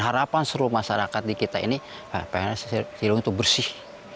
harapan seluruh masyarakat di kita ini pengennya silung itu bersih